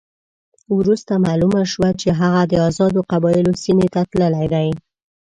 وروسته معلومه شوه چې هغه د آزادو قبایلو سیمې ته تللی دی.